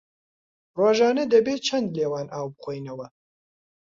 ڕۆژانە دەبێ چەند لیوان ئاو بخۆینەوە؟